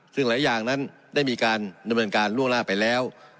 ซึ่งหลายอย่างต้องการล่วงหน้าไปแล้ว